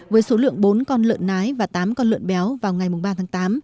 với số lượng bốn con lợn nái và tám con lợn béo vào ngày ba tháng tám